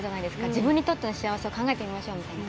自分にとっての幸せを考えてみましょうみたいな。